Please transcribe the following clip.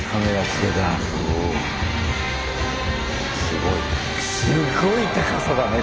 すごいね。